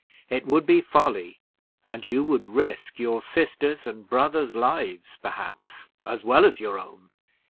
It would be folly, and you would risk your sisters' and brother's lives, perhaps, as well as your own.